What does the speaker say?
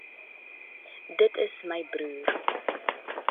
Dit is my broer